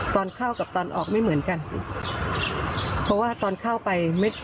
ตอนเข้ากับตอนออกไม่เหมือนกันเพราะว่าตอนเข้าไปไม่